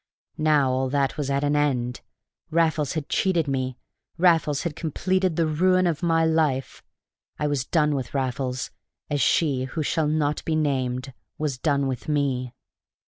Now all that was at an end. Raffles had cheated me. Raffles had completed the ruin of my life. I was done with Raffles, as she who shall not be named was done with me.